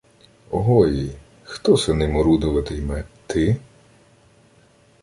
— Огої Хто се ним орудувати-йме? Ти?